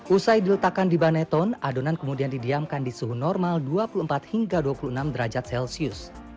usai diletakkan di baneton adonan kemudian didiamkan di suhu normal dua puluh empat hingga dua puluh enam derajat celcius